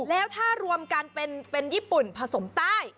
แล้วถ้ารวมกันเป็นญี่ปุ่นผสมใต้